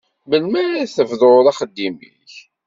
Melmi ara tebduḍ axeddim-ik?